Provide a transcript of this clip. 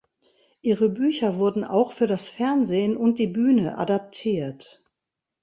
Ihre Bücher wurden auch für das Fernsehen und die Bühne adaptiert.